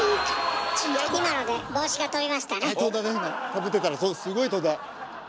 かぶってたらすごい飛んだ。